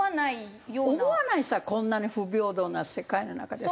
思わないさこんなに不平等な世界の中で。